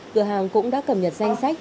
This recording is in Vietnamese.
cửa hàng cũng đã cầm nhật danh sách